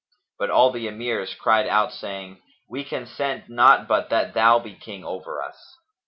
But all the Emirs cried out saying, "We consent not but that thou be King over us."